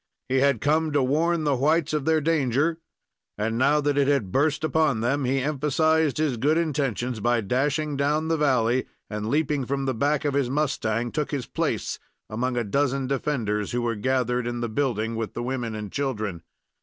He had come to warn the whites of their danger, and now that it had burst upon them, he emphasized his good intentions by dashing down the valley, and, leaping from the back of his mustang, took his place among a dozen defenders who were gathered in the building with the women and children.